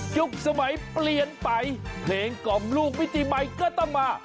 สมัยเปลี่ยนไปเพลงกล่อมลูกวิธีใหม่ก็ต้องมา